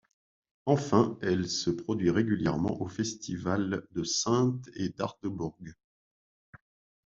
Enfin, elle se produit régulièrement aux Festivals de Saintes et d'Aldeburgh.